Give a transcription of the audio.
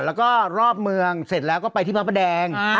และจุดขึ้นเสร็จแล้วก็ไปที่มั๊วปะแดง